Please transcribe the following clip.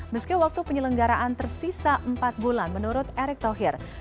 meski waktu penyelenggaraan tersisa empat bulan menurut erick thohir